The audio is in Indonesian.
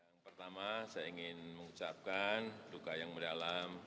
yang pertama saya ingin mengucapkan duka yang mendalam